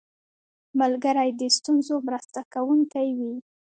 ملګری د ستونزو مرسته کوونکی وي